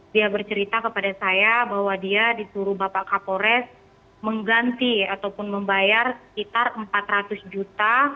dia bercerita kepada saya bahwa dia disuruh bapak kapolres mengganti ataupun membayar sekitar empat ratus juta